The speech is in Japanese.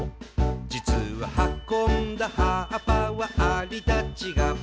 「じつははこんだ葉っぱはアリたちが」